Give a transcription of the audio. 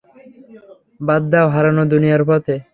বাদ দাও, হারানো দুনিয়ার পথে!